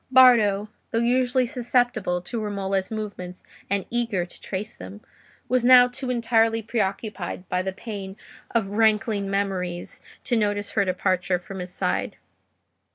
Bardo, though usually susceptible to Romola's movements and eager to trace them, was now too entirely preoccupied by the pain of rankling memories to notice her departure from his side.